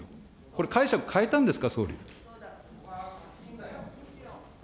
これ、解釈変えたんですか、総理。